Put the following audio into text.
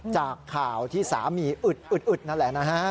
จากข่าวที่สามีอึดอึดนั่นแหละนะฮะ